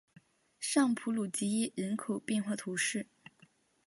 尚普鲁吉耶人口变化图示